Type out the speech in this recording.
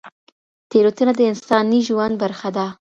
تېروتنه د انساني ژوند برخه ده.